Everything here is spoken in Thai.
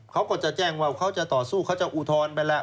เขาก็จะแจ้งว่าเขาจะต่อสู้เขาจะอุทธรณ์ไปแล้ว